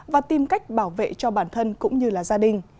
và tìm cách bảo vệ cho bản thân cũng như là gia đình